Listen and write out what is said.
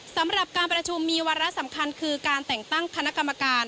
สำหรับการประชุมมีวาระสำคัญคือการแต่งตั้งคณะกรรมการ